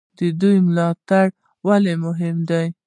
د ملا تیر ولې مهم دی؟